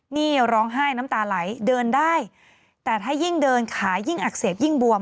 นี่ร้องไห้น้ำตาไหลเดินได้แต่ถ้ายิ่งเดินขายิ่งอักเสบยิ่งบวม